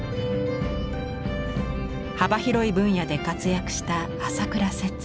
幅広い分野で活躍した朝倉摂。